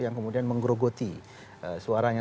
yang kemudian menggerogoti suaranya